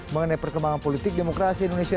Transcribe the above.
mengenai perkembangan politik demokrasi indonesia